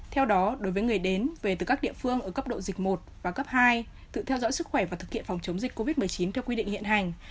theo đó đối với người đến về từ các địa phương ở cấp độ dịch một và cấp hai tự theo dõi sức khỏe và thực hiện phòng chống dịch covid một mươi chín theo quy định hiện hành